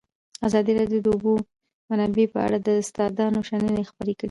ازادي راډیو د د اوبو منابع په اړه د استادانو شننې خپرې کړي.